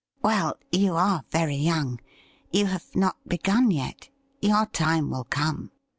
' Well, you are very young ; you have not begun yet. Your time will come.'